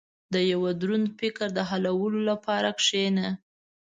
• د یو دروند فکر د حلولو لپاره کښېنه.